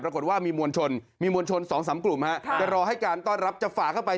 ปรากฏว่ามีมวลชนมีมวลชน๒๓กลุ่มจะรอให้การต้อนรับจะฝ่าเข้าไป